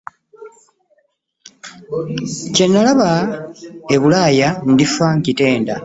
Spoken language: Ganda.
Kye nalaba e bulaaya ndifa nkitenda.